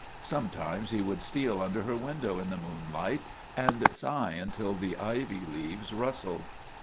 Sometimes he would steal under her window in the moonlight and sigh until the ivy leaves rustled.